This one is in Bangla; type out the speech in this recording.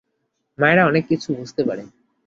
মায়েরা অনেক কিছু বুঝতে পারে।